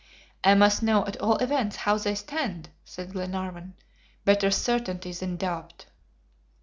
"I must know at all events how they stand," said Glenarvan. "Better certainty than doubt."